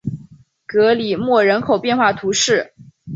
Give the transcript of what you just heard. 格里莫人口变化图示